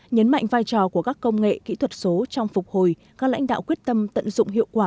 nhấn mạnh vai trò của các công nghệ kỹ thuật số trong phục hồi các lãnh đạo quyết tâm tận dụng hiệu quả